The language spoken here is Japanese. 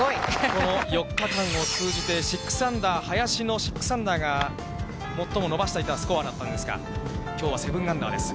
この４日間を通じて６アンダー、林の６アンダーが、最も伸ばしていたスコアだったんですが、きょうは７アンダーです。